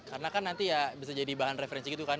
karena kan nanti ya bisa jadi bahan referensi gitu kan